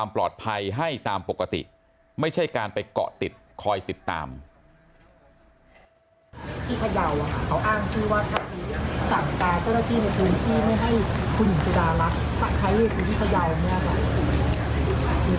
ในภาพยาบาลส่งบุนเจ้าใจคุณแสงโทษทีที่จะไม่ได้บนสบายนี่